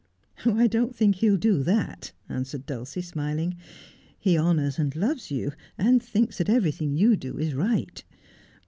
' I don't think he'll do that,' answered Dulcie, smiling. ' He honours and loves you, and thinks that everything you do is right.